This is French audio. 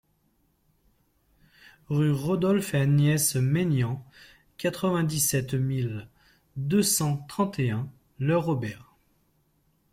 Rue Rodolphe et Agnès Maignan, quatre-vingt-dix-sept mille deux cent trente et un Le Robert